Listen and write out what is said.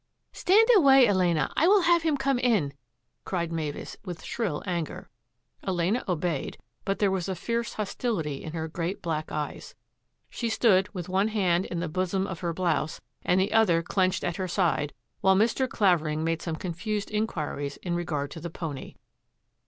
" Stand away, Elena ! I will have him come in,'* cried Mavis with shrill anger. Elena obeyed, but there was a fierce hostility in her great black eyes. She stood with one hand in the bosom of her blouse and the other clenched at her side, while Mr. Clavering made some con fused inquiries in regard to the pony.